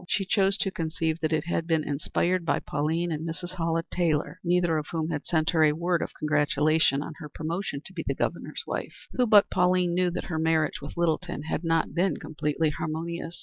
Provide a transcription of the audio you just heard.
She chose to conceive that it had been inspired by Pauline and Mrs. Hallett Taylor, neither of whom had sent her a word of congratulation on her promotion to be the Governor's wife. Who but Pauline knew that her marriage with Littleton had not been completely harmonious?